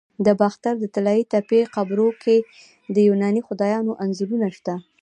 د باختر د طلایی تپې قبرونو کې د یوناني خدایانو انځورونه شته